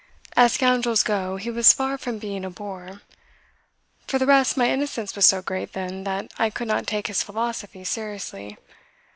As scoundrels go he was far from being a bore. For the rest my innocence was so great then that I could not take his philosophy seriously.